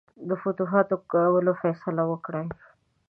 د فتوحاتو کولو فیصله وکړي.